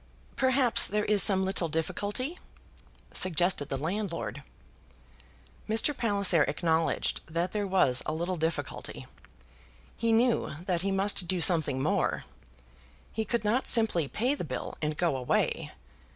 "Perhaps there is some little difficulty?" suggested the landlord. Mr. Palliser acknowledged that there was a little difficulty. He knew that he must do something more. He could not simply pay the bill and go away.